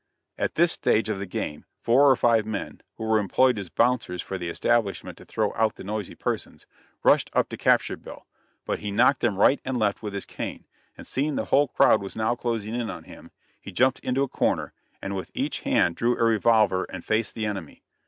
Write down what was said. At this stage of the game four or five men who were employed as "bouncers" for the establishment to throw out the noisy persons rushed up to capture Bill, but he knocked them right and left with his cane, and seeing the whole crowd was now closing in on him, he jumped into a corner, and with each hand drew a revolver and faced the enemy.